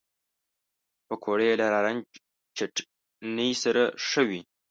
پکورې له نارنج چټني سره ښه وي